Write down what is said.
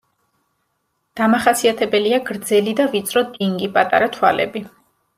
დამახასიათებელია გრძელი და ვიწრო დინგი, პატარა თვალები.